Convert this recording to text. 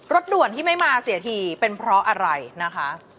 ด่วนที่ไม่มาเสียทีเป็นเพราะอะไรนะคะ